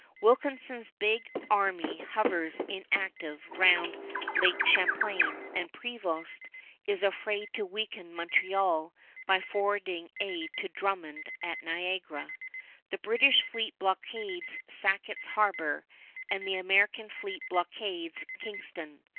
Wilkinson's big army hovers inactive round Lake Champlain, and Prevost is afraid to weaken Montreal by forwarding aid to Drummond at Niagara. The British fleet blockades Sackett's Harbor, and the American fleet blockades Kingston.